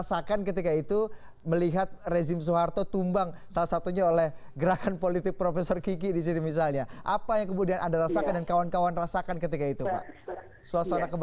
bahwa kekuatan muda ini ternyata ada conclude